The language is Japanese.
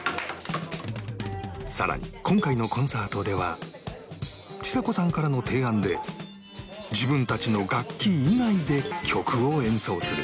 さらに今回のコンサートではちさ子さんからの提案で自分たちの楽器以外で曲を演奏する